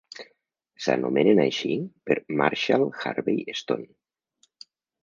S'anomenen així per Marshall Harvey Stone.